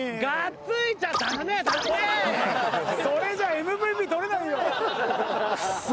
それじゃＭＶＰとれないよ！